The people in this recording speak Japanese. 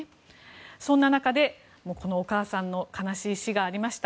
そんな中、お母さんの悲しい死がありました。